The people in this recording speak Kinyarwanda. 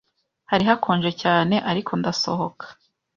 Hari hakonje cyane, ariko ndasohoka.